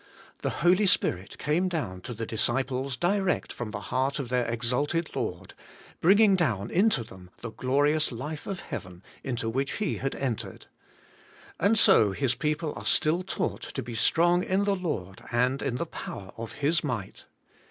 The Holy Spirit came down to the disciples direct from the heart of AS YOUR STRENGTH. 2U their exalted Lord, bringing down into them the glorious life of heaven into which He had entered. And so His people are still taught to be strong in the Lord and in the power of His might.